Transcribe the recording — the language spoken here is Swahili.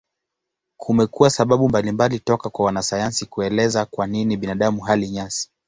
Kumekuwa sababu mbalimbali toka kwa wanasayansi kuelezea kwa nini binadamu hali nyasi.